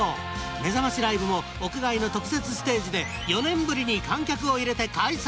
めざましライブも屋外の特設ステージで４年ぶりに観客を入れて開催。